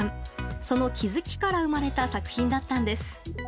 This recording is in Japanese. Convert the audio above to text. その気付きから生まれた作品だったんです。